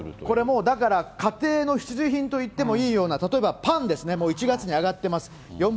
これもう、だから家庭の必需品と言ってもいいような、例えばパンですね、１月に上がっています。